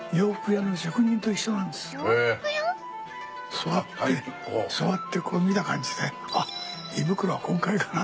座って座ってこう見た感じで「あっ胃袋はこのくらいだな」。